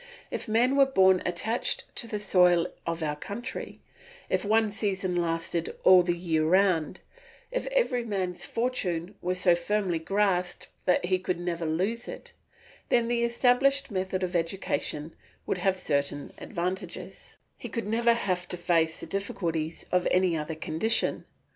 If men were born attached to the soil of our country, if one season lasted all the year round, if every man's fortune were so firmly grasped that he could never lose it, then the established method of education would have certain advantages; the child brought up to his own calling would never leave it, he could never have to face the difficulties of any other condition.